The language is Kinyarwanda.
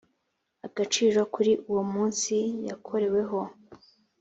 agaciro kuri uwo munsi yakoreweho